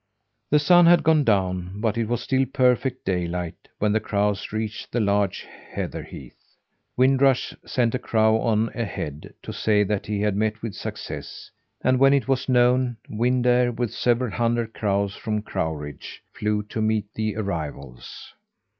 The sun had gone down, but it was still perfect daylight when the crows reached the large heather heath. Wind Rush sent a crow on ahead, to say that he had met with success; and when it was known, Wind Air, with several hundred crows from Crow Ridge, flew to meet the arrivals.